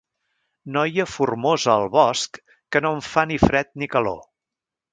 Noia formosa al bosc que no em fa ni fred ni calor.